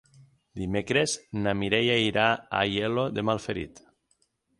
Dimecres na Mireia irà a Aielo de Malferit.